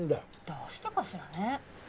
どうしてかしらね。